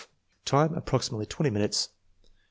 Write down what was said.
Time, approximately 20 minutes. 8.